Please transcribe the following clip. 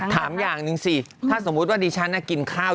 อย่างหนึ่งสิถ้าสมมุติว่าดิฉันกินข้าว